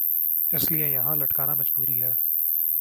اس لئے یہان لٹکنا مجبوری ہے